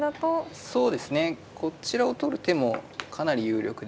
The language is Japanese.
そうですねこちらを取る手もかなり有力で。